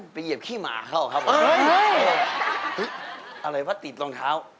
เป็นที่มาของข้า